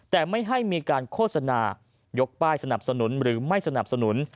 แต่ไม่ให้มีการโฆษณายกป้ายสนับสนุนหรือไม่สนับสนุน